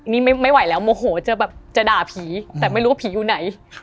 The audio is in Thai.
นี่ไม่ไหวแล้วโมโหจะแบบจะด่าผีแต่ไม่รู้ว่าผีอยู่ไหน